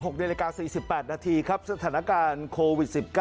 ๖นิดละการ๔๘นาทีสถานการณ์โควิด๑๙